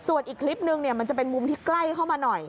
ส่วนอีกคลิปนึงเนี่ยมันจะเป็นมุมที่ใกล้เข้ามาหน่อย